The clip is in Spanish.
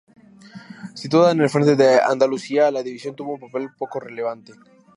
Situada en el frente de Andalucía, la división tuvo un papel poco relevante.